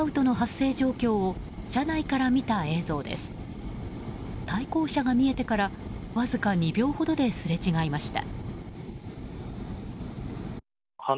対向車が見えてからわずか２秒ほどですれ違いました。